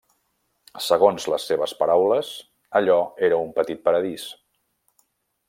Segons les seves paraules, allò era un petit paradís.